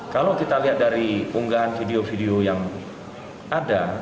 kalau kita lihat dari unggahan video video yang ada